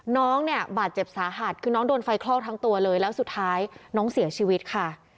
น้องเนี่ยบาดเจ็บสาหัสคือน้องโดนไฟคลอกทั้งตัวเลยแล้วสุดท้ายน้องเสียชีวิตค่ะ